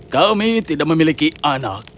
kami tidak memiliki anak